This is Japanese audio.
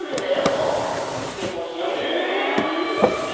もう「結婚しよう」って言ったの。